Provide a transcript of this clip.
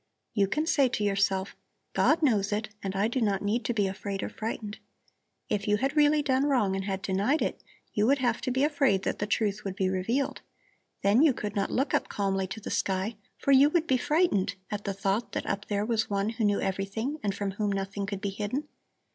You can say to yourself: 'God knows it, and I do not need to be afraid or frightened.' If you had really done wrong and had denied it, you would have to be afraid that the truth would be revealed. Then you could not look up calmly to the sky, for you would be frightened at the thought that up there was One who knew everything and from whom nothing could be hidden.